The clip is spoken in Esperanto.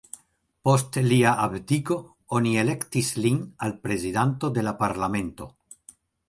Post lia abdiko, oni elektis lin al prezidanto de la parlamento.